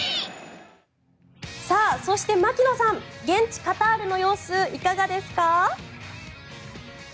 そして、槙野さん現地カタールの様子いかがですか？